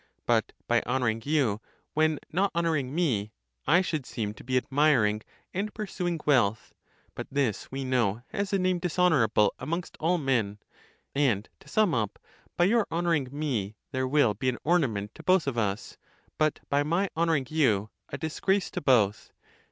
But by honouring you, when not honouring me, I should seem to be admiring and pursu ing wealth; but this we know has a name dishonourable amongst all men; and, to sum up, by your honouring me, there will be an ornament to both of us; but by my (honour ing) you, a disgrace to both.